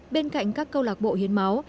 bên cạnh các câu lạc bộ hiến máu